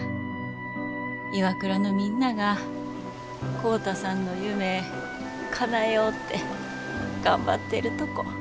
ＩＷＡＫＵＲＡのみんなが浩太さんの夢かなえよって頑張ってるとこ。